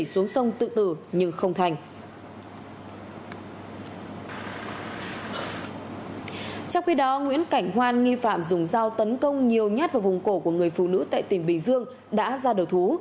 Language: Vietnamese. trong khi đó nguyễn cảnh hoan nghi phạm dùng dao tấn công nhiều nhát vào vùng cổ của người phụ nữ tại tỉnh bình dương đã ra đầu thú